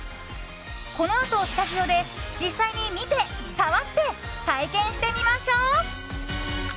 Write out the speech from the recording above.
このあと、スタジオで実際に見て、触って体験してみましょう。